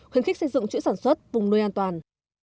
khuyến khích xây dựng chuỗi sản xuất vùng nuôi an toàn